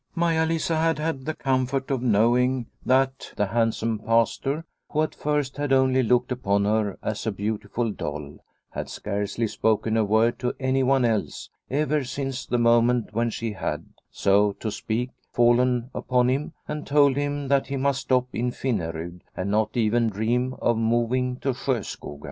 Maia Lisa had had the comfort of knowing that the handsome Pastor who at first had only looked upon her as a beautiful doll had scarcely spoken a word to anyone else ever since the moment when she had, so to speak, fallen upon him and told him that he must stop in Finnerud and not even dream of moving to Sjoskoga.